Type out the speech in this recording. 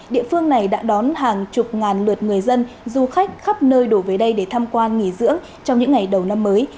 địa phương này đã đón hàng chục ngàn lượt người dân du khách khắp nơi đổ về đây để tham quan nghỉ dưỡng trong những ngày đầu năm mới